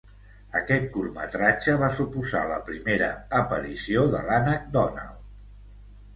Aquest curtmetratge va suposar la primera aparició de l'Ànec Donald.